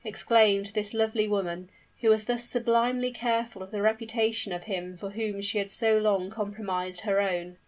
exclaimed this lovely woman, who was thus sublimely careful of the reputation of him for whom she had so long compromised her own.